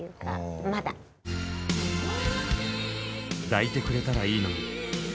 「抱いてくれたらいいのに」